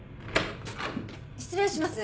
失礼します。